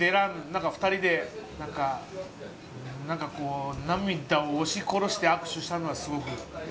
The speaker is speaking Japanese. なんか２人で涙を押し殺して握手したのは、すごく。